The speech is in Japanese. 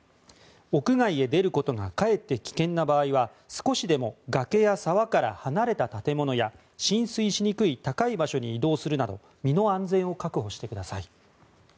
屋外へ出ることがかえって危険な場合は少しでも崖や沢から離れた建物や浸水しにくい高い場所に移動するなど身の安全を確保してください。